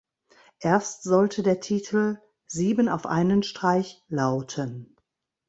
Erst sollte der Titel "Sieben auf einen Streich" lauten.